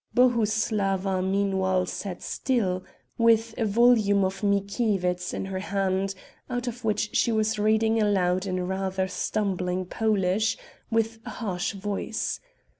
Bohuslawa, meanwhile sat still, with a volume of Mickiewicz in her hand, out of which she was reading aloud in rather stumbling Polish, with a harsh voice.